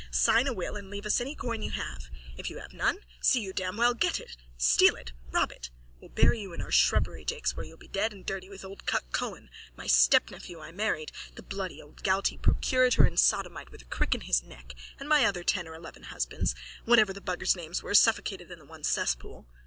Sign a will and leave us any coin you have! If you have none see you damn well get it, steal it, rob it! We'll bury you in our shrubbery jakes where you'll be dead and dirty with old Cuck Cohen, my stepnephew I married, the bloody old gouty procurator and sodomite with a crick in his neck, and my other ten or eleven husbands, whatever the buggers' names were, suffocated in the one cesspool.